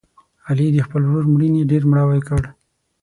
علي د خپل ورور مړینې ډېر مړاوی کړ.